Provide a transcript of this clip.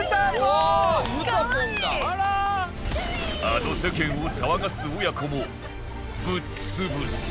あの世間を騒がす親子もぶっ潰す！